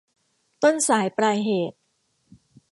ต้นสายปลายเหตุ